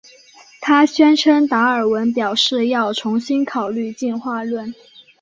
她宣称达尔文表示要重新考虑进化论。